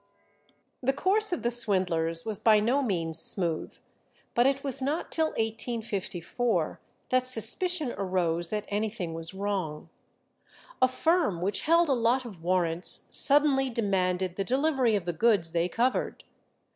The course of the swindlers was by no means smooth, but it was not till 1854 that suspicion arose that anything was wrong. A firm which held a lot of warrants suddenly demanded the delivery of the goods they covered.